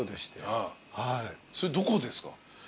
それどこですか？